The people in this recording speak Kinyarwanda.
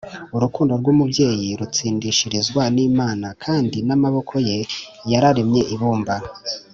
urukundo rw'umubyeyi rutsindishirizwa n'imana, kandi n'amaboko ye yaremye ibumba.